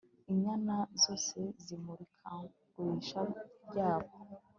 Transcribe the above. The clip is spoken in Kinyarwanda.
Inyana zose zimurikagurisha ryabo